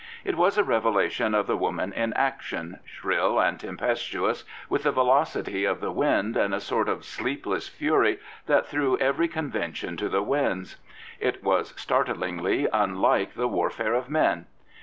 It was a revelation of the woman in action, shrill and tempestuous, with the velocity of the wind and a sort of sl^pless fury that threw every conven tion to the winds. It was startlingly unlike the warfare of men.